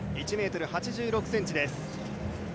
１ｍ８６ｃｍです。